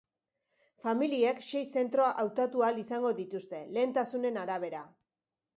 Familiek sei zentro hautatu ahal izango dituzte, lehentasunen arabera.